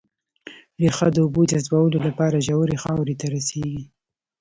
ريښه د اوبو جذبولو لپاره ژورې خاورې ته رسېږي